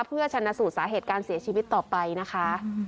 เพื่อชนะสูตรสาเหตุการเสียชีวิตต่อไปนะคะ